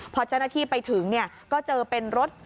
พอเจ้าหน้าที่ไปถึงก็เจอเป็นรถ